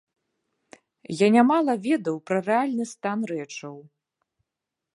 Я нямала ведаў пра рэальны стан рэчаў.